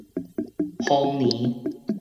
豐年